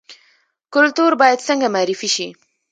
کلتور باید څنګه معرفي شي؟